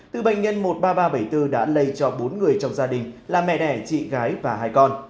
từ bệnh nhân một mươi ba nghìn ba trăm bảy mươi bốn đã lây cho bốn người trong gia đình là mẹ đẻ chị gái và hai con